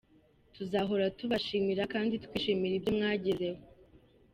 Tuzahora tubashimira kandi twishimira ibyo mwagezeho.